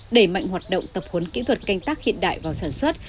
đẩy mạnh hoạt động tập huấn kỹ thuật canh tác hiện đại vào sản xuất